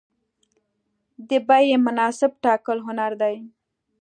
د بیې مناسب ټاکل هنر دی.